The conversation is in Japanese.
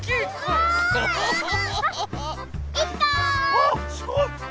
あっすごい！